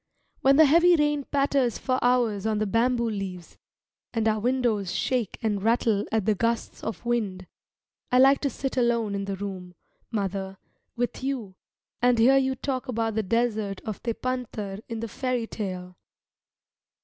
When the heavy rain patters for hours on the bamboo leaves, and our windows shake and rattle at the gusts of wind, I like to sit alone in the room, mother, with you, and hear you talk about the desert of Tepântar in the fairy tale.